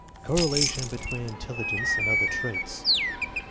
Correlation between intelligence and other traits.